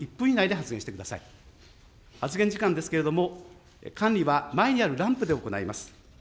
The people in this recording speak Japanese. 発言時間ですけれども、管理は前にあるランプで行います。